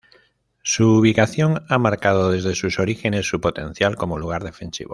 Su ubicación ha marcado desde sus orígenes su potencial como lugar defensivo.